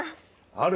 ある。